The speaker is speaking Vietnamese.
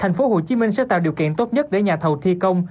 thành phố hồ chí minh sẽ tạo điều kiện tốt nhất để nhà thầu thi công